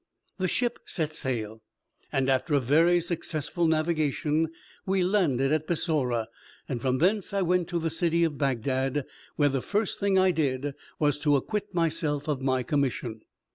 The ship set sail, and after a very successful navigation we landed at Bussorah, and from thence I went to the city of Bagdad, where the first thing I did was to acquit myself of my commission.